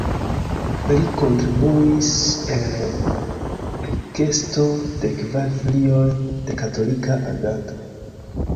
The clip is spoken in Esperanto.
Li kontribuis al ekesto de kvar filioj de Katolika Agado.